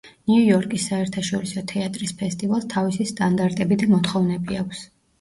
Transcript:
ნიუ იორკის საერთაშორისო თეატრის ფესტივალს თავისი სტანდარტები და მოთხოვნები აქვს.